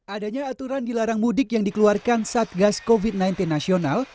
adanya aturan dilarang mudik yang dikeluarkan satgas covid sembilan belas nasional